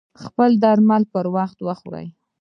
خپل درمل پر وخت وخوری